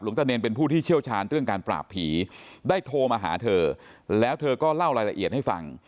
ตะเนรเป็นผู้ที่เชี่ยวชาญเรื่องการปราบผีได้โทรมาหาเธอแล้วเธอก็เล่ารายละเอียดให้ฟัง